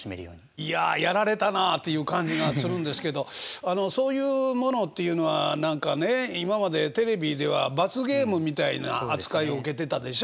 いややられたなあっていう感じがするんですけどあのそういうものっていうのは何かね今までテレビでは罰ゲームみたいな扱いを受けてたでしょ？